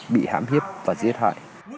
bị hãm hiếp và giết hại